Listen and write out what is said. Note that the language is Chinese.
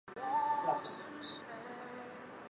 法国远东学院有两项成果最引人注目。